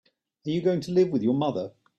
Are you going to live with your mother?